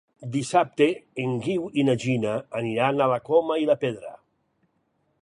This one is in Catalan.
Dissabte en Guiu i na Gina aniran a la Coma i la Pedra.